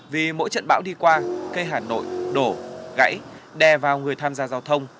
vì mỗi trận bão đi qua cây hà nội đổ gãy đè vào người tham gia giao thông